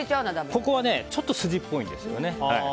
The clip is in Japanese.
ここはちょっと筋っぽいんですよね。